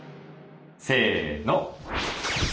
せの！